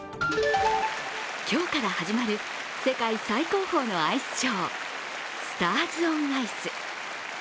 今日から始まる世界最高峰のアイスショー、スターズオンアイス。